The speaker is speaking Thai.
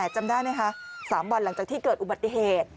จำได้ไหมคะ๓วันหลังจากที่เกิดอุบัติเหตุ